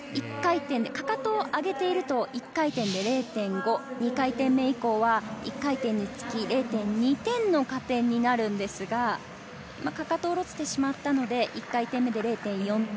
かかとを上げていると１回転で０．５、２回転目以降は１回転につき０．２点の加点になるんですが、かかとを下ろしてまったので１回転で０．４点。